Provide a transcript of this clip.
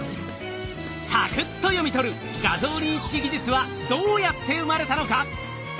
さくっと読み取る画像認識技術はどうやって生まれたのか？